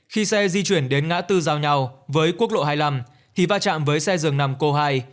khi xe di chuyển đến ngã tư giao nhau với quốc lộ hai mươi năm thì va chạm với xe dường nằm cô hai